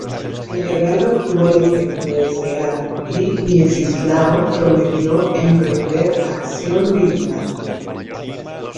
El regalo tuvo el efecto deseado, y Miecislao prometió emprender acción militar.